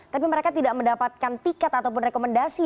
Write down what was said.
tapi mereka tidak mendapatkan tiket ataupun rekomendasi